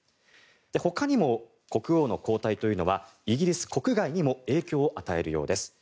ほかにも国王の交代というのはイギリス国外にも影響を与えるようです。